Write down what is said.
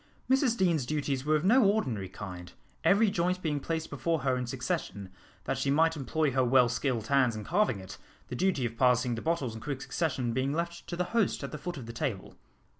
Mrs Deane's duties were of no ordinary kind, every joint being placed before her in succession, that she might employ her well skilled hands in carving it, the duty of passing the bottles in quick succession being left to the host at the foot of the table.